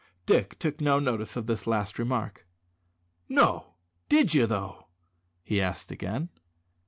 Dick took no notice of this last remark. "No, did ye though?" he asked again.